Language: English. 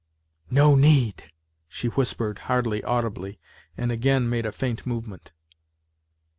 " No need," she whispered hardly audibly, and again made a faint movement.